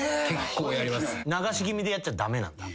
流し気味でやっちゃ駄目なんだ。